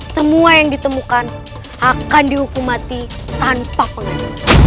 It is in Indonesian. semua yang ditemukan akan dihukum mati tanpa pengani